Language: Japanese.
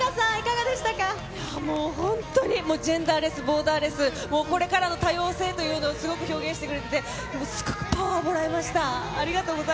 もう本当に、ジェンダーレス、ボーダーレス、もう、これからの多様性というのをすごく表現してくれてて、すごくパワーもらいました。